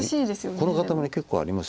この固まり結構あります。